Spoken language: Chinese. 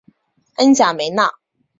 恩贾梅纳。